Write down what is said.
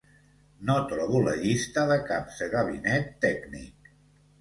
No trobo la llista de caps de gabinet tècnic.